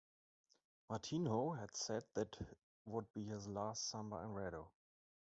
Martinho had said that would be his last samba enredo.